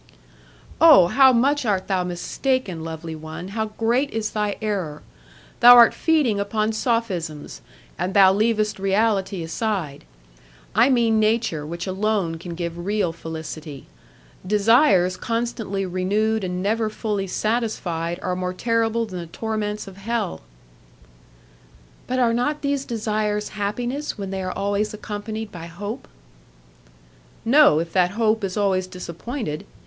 "Oh! how much art thou mistaken, lovely one! How great is thy error! Thou art feeding upon sophisms, and thou leavest reality aside; I mean nature which alone can give real felicity. Desires constantly renewed and never fully satisfied are more terrible than the torments of hell." "But are not these desires happiness when they are always accompanied by hope?" "No, if that hope is always disappointed.